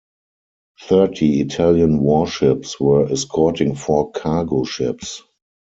Thirty Italian warships were escorting four cargo ships.